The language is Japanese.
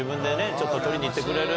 ちょっと取りに行ってくれる？